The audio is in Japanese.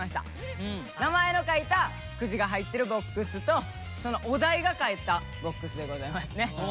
名前の書いたくじが入ってるボックスとお題が書いたボックスでございますね。